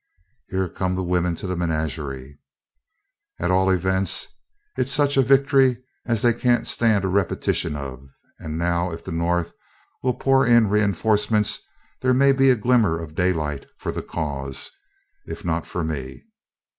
(Here come the women to the menagerie.) At all events, it's such a victory as they can't stand a repetition of; and now, if the North will pour in reinforcements, there may be a glimmer of daylight for the cause, if not for me.